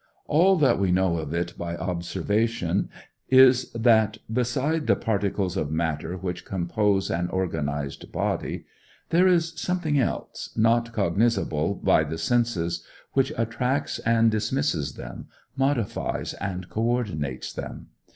All that we know of it by observation is that, beside the particles of matter which compose an organized body, there is something else, not cognizable by the senses, which attracts and dismisses them, modifies and coördinates them.